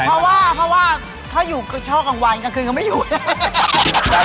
เพราะว่าเพราะว่าเขาอยู่ก็ช่อกลางวันกลางคืนเขาไม่อยู่แล้ว